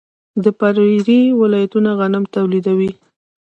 د پریري ولایتونه غنم تولیدوي.